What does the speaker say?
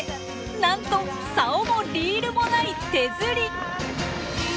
なんとサオもリールもない手釣り！